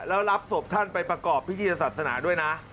แล้วรับศพท่านไปประกอบพิธีศาสนาด้วยนะ